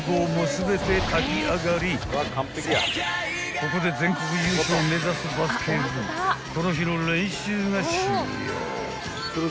［ここで全国優勝を目指すバスケ部この日の練習が終了］